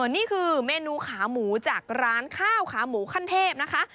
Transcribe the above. นี่คือเมนูขาหมูจากร้านข้าวขาหมูขั้นเทพนะคะ